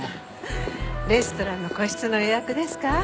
レストランの個室の予約ですか？